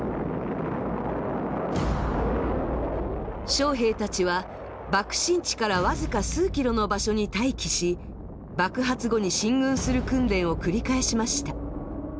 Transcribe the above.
将兵たちは爆心地から僅か数キロの場所に待機し爆発後に進軍する訓練を繰り返しました。